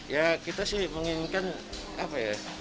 ya kita sih menginginkan apa ya